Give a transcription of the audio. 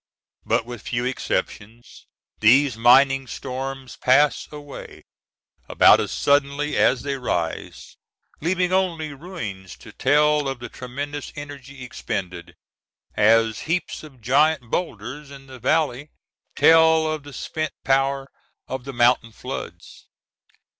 But with few exceptions, these mining storms pass away about as suddenly as they rise, leaving only ruins to tell of the tremendous energy expended, as heaps of giant boulders in the valley tell of the spent power of the mountain floods.